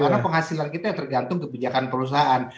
karena penghasilan kita tergantung kebijakan perusahaan